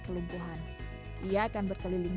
kelumpuhan ia akan berkeliling